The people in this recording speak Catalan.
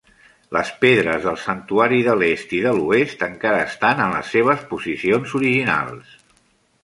Les pedres del santuari de l'est i de l'oest encara estan en les seves posicions originals.